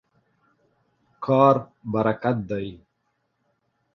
کار برکت دی.